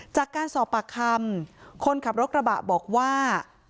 จากการสอบปากคำคนขับรถกระบะบอกว่า